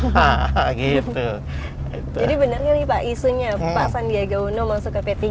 jadi benarnya nih pak isunya pak sandiaga uno masuk ke p tiga